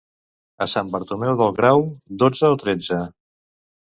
A Sant Bartomeu del Grau, dotze o tretze?